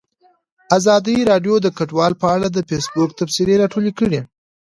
ازادي راډیو د کډوال په اړه د فیسبوک تبصرې راټولې کړي.